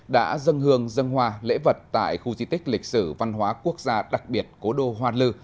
đã dân hương dân hoa lễ vật tại khu di tích lịch sử văn hóa quốc gia đặc biệt cố đô hoa lư